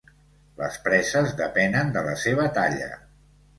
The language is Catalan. Les preses depenen de la seva talla.